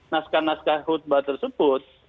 naskah naskah khutbah tersebut